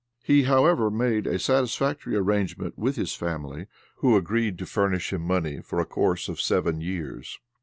He, however, made a satisfactory arrangement with his family, who agreed to furnish him money for a course of seven years.